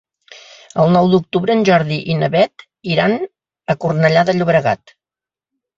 El nou d'octubre en Jordi i na Beth iran a Cornellà de Llobregat.